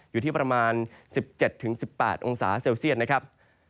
อยู่ที่ประมาณ๑๗๑๘องศาเซลเซียตนะครับ